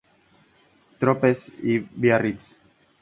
Tropez y Biarritz.